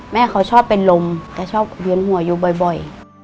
แม่เขาชอบเป็นลมแต่ชอบเวียนหัวอยู่บ่อย